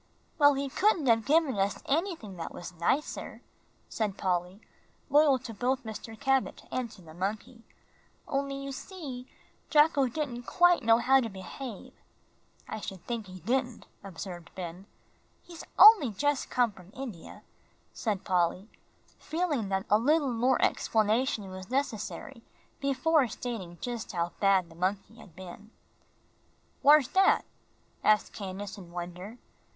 "Well, he couldn't have given us anything that was nicer," said Polly, loyal to both Mr. Cabot and to the monkey, "only you see, Jocko didn't know quite how to behave." "I shouldn't think he did," observed Ben. "He's only just come from India," said Polly, feeling that a little more explanation was necessary before stating just how bad the monkey had been. "Whar's dat?" asked Candace, in wonder.